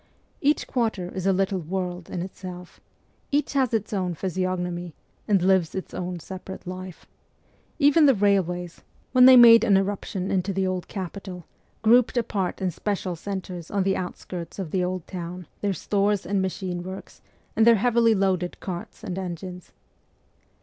Each quarter is a little world in itself ; each has its own physiognomy, and lives its own separate life. Even the railways, when they made an B 2 4 MEMOIRS OF A REVOLUTIONIST irruption into the old capital, grouped apart in special centres on the outskirts of the old town their stores and machine works and their heavily loaded carts and engines.